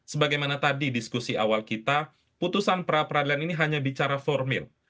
sebagaimana tadi diskusi awal kita putusan pra peradilan ini hanya bicara formil